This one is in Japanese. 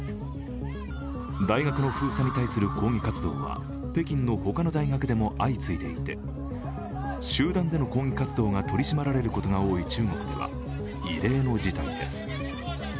大学の封鎖に対する抗議活動は北京の他の大学でも相次いでいて集団での抗議活動が取り締まられることが多い中国では異例の事態です。